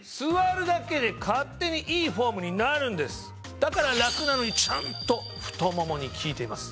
だから楽なのにちゃんと太ももに効いています。